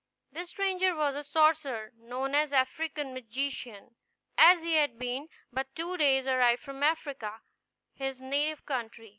This stranger was a sorcerer, known as the African magician, as he had been but two days arrived from Africa, his native country.